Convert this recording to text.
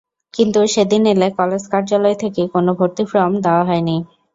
কিন্তু সেদিন এলে কলেজ কার্যালয় থেকে কোনো ভর্তি ফরম দেওয়া হয়নি।